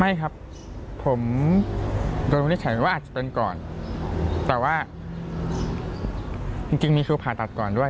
ไม่ครับผมโดนวินิจฉัยว่าอาจจะเป็นก่อนแต่ว่าจริงมีคือผ่าตัดก่อนด้วย